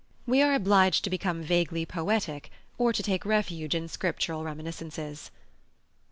We are obliged to become vaguely poetic, or to take refuge in Scriptural reminiscences.